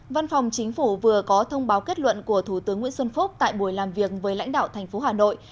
văn phòng chính phủ vừa có thông báo kết luận của thủ tướng nguyễn xuân phúc tại buổi làm việc với lãnh đạo thành phố hà nội